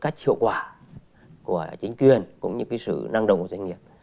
để có những cái kết quả của chính quyền cũng như cái sự năng động của doanh nghiệp